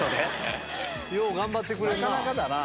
よう頑張ってくれるな。